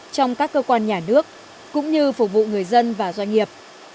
trong các cơ quan nhà nước cũng như phục vụ người dân và doanh nghiệp